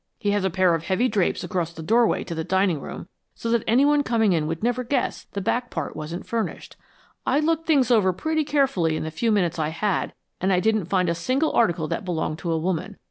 He has a pair of heavy drapes across the doorway to the dining room, so that anyone coming in would never guess the back part wasn't furnished. I looked things over pretty carefully in the few minutes I had, and I didn't find a single article that belonged to a woman.